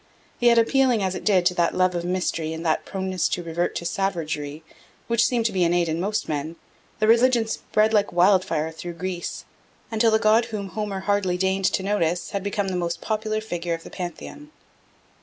Yet appealing as it did to that love of mystery and that proneness to revert to savagery which seem to be innate in most men, the religion spread like wildfire through Greece until the god whom Homer hardly deigned to notice had become the most popular figure of the pantheon.